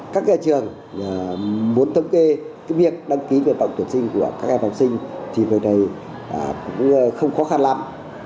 các trường muốn thống kê việc đăng ký tuyển bộng tuyển sinh của các em học sinh thì không khó khăn lắm